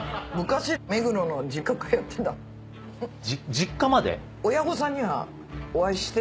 「昔」「実家まで？」